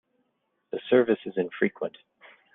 The service is infrequent.